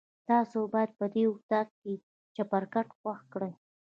تاسو باید په دې اطاق کې چپرکټ خوښ کړئ.